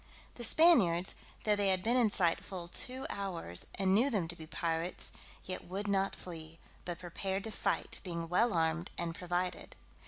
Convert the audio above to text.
The Spaniards, though they had been in sight full two hours, and knew them to be pirates, yet would not flee, but prepared to fight, being well armed, and provided.